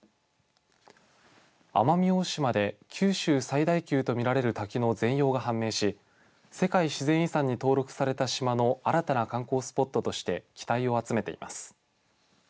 奄美大島で九州最大級とみられる滝の全容が判明し世界自然遺産に登録された島の新たな観光スポットとして期待を集めています。